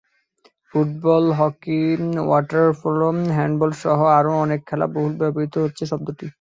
Football, hockey, water polo, হ্যান্ডবলসহ আরও অনেক খেলায় বহুল ব্যবহূত হচ্ছে শব্দটি।